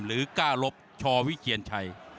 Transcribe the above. หรือก้าลบชอวิเจียนชัย